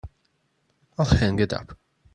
I'll hang it up.